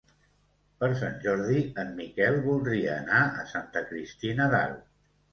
Per Sant Jordi en Miquel voldria anar a Santa Cristina d'Aro.